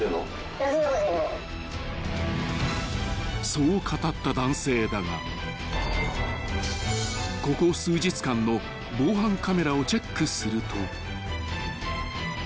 ［そう語った男性だがここ数日間の防犯カメラをチェックすると］